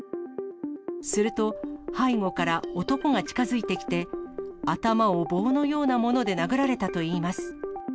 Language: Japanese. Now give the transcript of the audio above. すると、背後から男が近づいてきて、頭を棒のようなもので殴られたといいます。